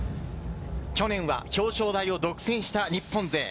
去年は表彰台を独占した日本勢。